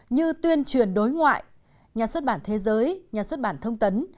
như tuyên truyền đối ngoại nhà xuất bản thế giới nhà xuất bản thông tấn